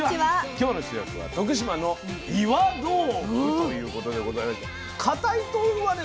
今日の主役は徳島の岩豆腐ということでございまして固い豆腐はね